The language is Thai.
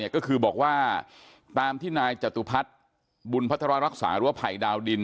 ก็คือบอกว่าตามที่นายจตุพัฒน์บุญพัฒนารักษาหรือว่าภัยดาวดิน